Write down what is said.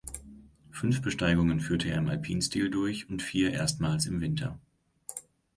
Fünf Besteigungen führte er im Alpinstil durch und vier erstmals im Winter.